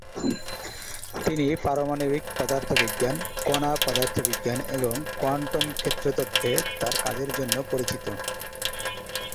তিনি পারমাণবিক পদার্থবিজ্ঞান, কণা পদার্থবিজ্ঞান এবং কোয়ান্টাম ক্ষেত্র তত্ত্বে তার কাজের জন্য পরিচিত।